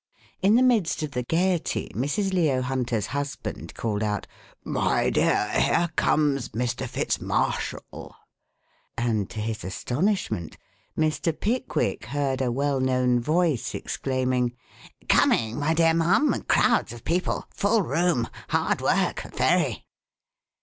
In the midst of the gaiety Mrs. Leo Hunter's husband called out: "My dear, here comes Mr. Fitz Marshall," and, to his astonishment, Mr. Pickwick heard a well known voice exclaiming: "Coming, my dear ma'am crowds of people full room hard work very!"